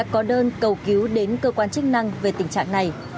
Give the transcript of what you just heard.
có đơn cầu cứu đến cơ quan chức năng về tình trạng này